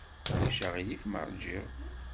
Ulac aɣilif ma ṛjiɣ.